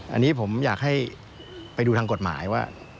อันนี้ผมอยากให้ไปดูทางกฎหมายว่า